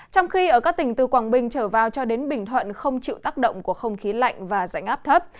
trong khi ở các tỉnh từ quảng bình trở vào cho đến bình thuận không chịu tác động của không khí lạnh và rãnh áp thấp